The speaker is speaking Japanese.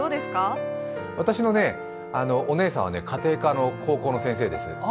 私のお姉さんは家庭科の高校の先生です。